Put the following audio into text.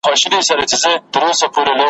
پشي د خدای لپاره موږک نه نیسي ,